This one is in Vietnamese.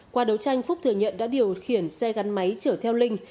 qua đấu tranh phúc thừa nhận đã điều khiển xe gắn máy chở theo linh